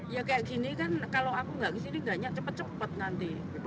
ya kayak gini kan kalau aku nggak ke sini nggaknya cepat cepat nanti